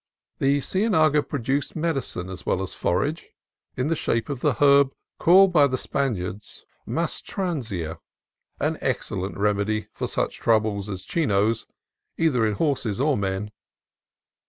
The cienaga produced medicine as well as forage, in the shape of the herb called by the Spaniards mastransia, an excellent remedy for such troubles as Chino's, either in horses or men.